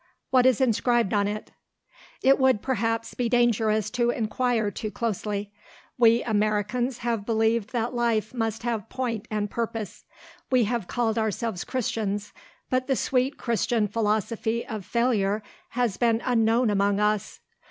What is inscribed on it? It would perhaps be dangerous to inquire too closely. We Americans have believed that life must have point and purpose. We have called ourselves Christians, but the sweet Christian philosophy of failure has been unknown among us.